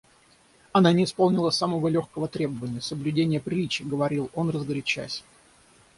Она не исполнила самого легкого требования — соблюдения приличий, — говорил он разгорячаясь.